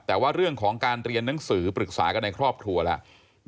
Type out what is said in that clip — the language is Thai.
แต่ว่าเรื่องของการเรียนหนังสือปรึกษากันในครอบครัวแล้ว